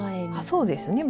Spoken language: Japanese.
そうですね。